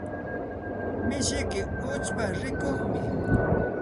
Mishiyki uchpa rikuqmi.